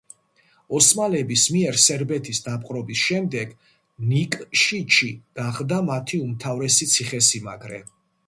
ოსმალების მიერ სერბეთის დაპყრობის შემდეგ ნიკშიჩი გახდა მათი უმთავრესი ციხესიმაგრე.